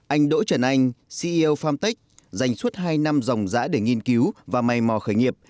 anh đỗ trần anh ceo farmtec dành suốt hai năm dòng giã để nghiên cứu và may mò khởi nghiệp